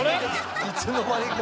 いつの間にか。